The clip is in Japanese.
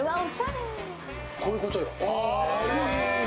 こういうことよ。